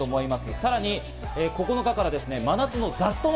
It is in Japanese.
さらに９日から真夏のザスト祭。